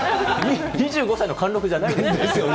２５歳の貫禄じゃないですね。ですよね。